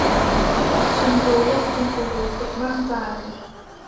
ฉันรู้ว่าคุณจะรู้สึกมั่นใจ